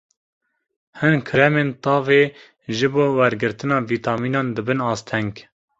Hin kremên tavê ji bo wergirtina vîtamînan dibin asteng.